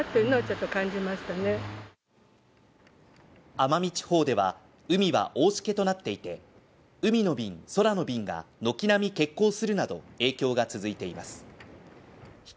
奄美地方では、海は大しけとなっていて、海の便、空の便が軒並み欠航するなど、影響が続いています。